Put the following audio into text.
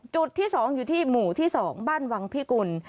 จุดที่๒อยู่ที่หมู่ที่๒บ้านวังพิกุล